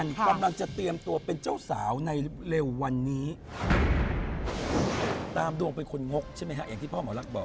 อย่างที่พ่อหมอรักบอก